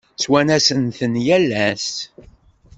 Ttwanasen-ten yal ass.